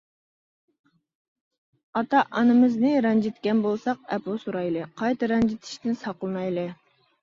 ئاتا-ئانىمىزنى رەنجىتكەن بولساق ئەپۇ سورايلى، قايتا رەنجىتىشتىن ساقلىنايلى.